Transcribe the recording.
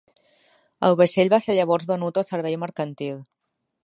El vaixell va ser llavors venut al servei mercantil.